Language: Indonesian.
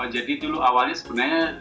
jadi dulu awalnya sebenarnya